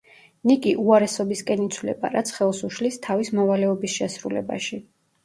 ნიკი უარესობისკენ იცვლება რაც ხელს უშლის თავის მოვალეობის შესრულებაში.